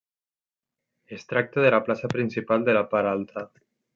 Es tracta de la plaça principal de la Part Alta.